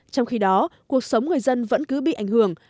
trong khi đó cuộc sống người dân vẫn cứ bị ảnh hưởng